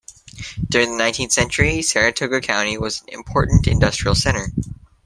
During the nineteenth century, Saratoga County was an important industrial center.